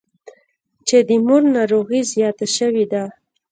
چې د مور ناروغي زياته سوې ده.